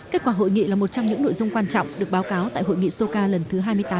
kết quả hội nghị là một trong những nội dung quan trọng được báo cáo tại hội nghị soca lần thứ hai mươi tám